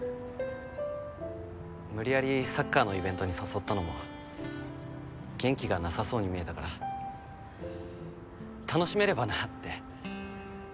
無理やりサッカーのイベントに誘ったのも元気がなさそうに見えたから楽しめればなって。